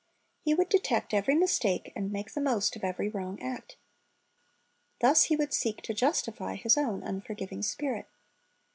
He would detect every mistake, and make the most of every wrong act. Thus he would seek to justify his own unforgiving spirit.